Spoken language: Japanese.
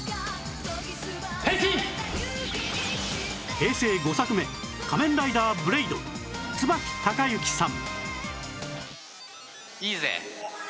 平成５作目『仮面ライダー剣』椿隆之さん